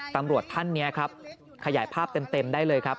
ตำรวจท่านนี้ครับขยายภาพเต็มได้เลยครับ